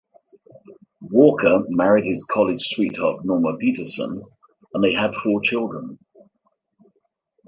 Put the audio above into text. Walker married his college sweetheart, Norma Peterson, and they had four children.